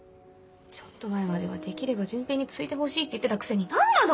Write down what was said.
ちょっと前までは「できれば潤平に継いでほしい」って言ってたくせに何なの？